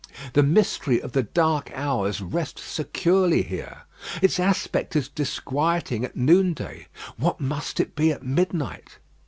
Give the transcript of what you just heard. The mystery of the dark hours rests securely here. Its aspect is disquieting at noonday; what must it be at midnight?